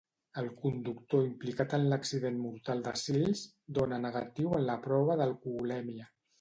El conductor implicat en l'accident mortal de Sils dona negatiu en la prova d'alcoholèmia.